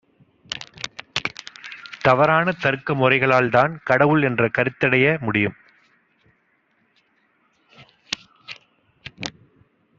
தவறான தருக்க முறைகளால்தான் ‘கடவுள்’ என்ற கருத்தையடைய முடியும்.